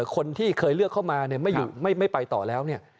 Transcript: คนที่เคยเลือกเข้ามาเนี่ยไม่ไปต่อแล้วเนี่ย